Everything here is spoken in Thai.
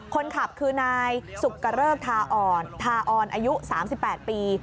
คนขับคือนายสุกะเริกทาอ่อนทาออนอายุ๓๘ปี